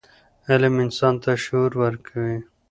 علم انسان ته شعور ورکوي.